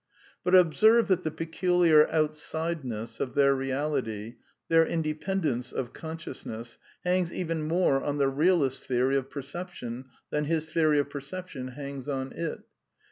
But observe that the peculiar outsideness of their real ity, their independence ojl consciousness, hangs even more on the realist's theory of perception than his theory of \^ perception hangs on it.